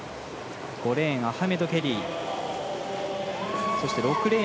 ５レーンアハメド・ケリー。